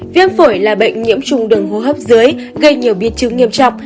viêm phổi là bệnh nhiễm trùng đường hô hấp dưới gây nhiều biến chứng nghiêm trọng